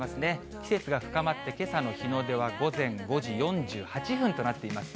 季節が深まって、けさの日の出は午前５時４８分となっています。